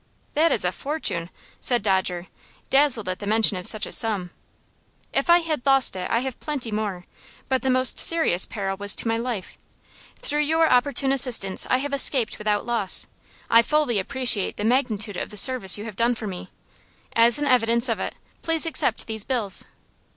"That is a fortune," said Dodger, dazzled at the mention of such a sum. "If I had lost it, I have plenty more, but the most serious peril was to my life. Through your opportune assistance I have escaped without loss. I fully appreciate the magnitude of the service you have done me. As an evidence of it, please accept these bills."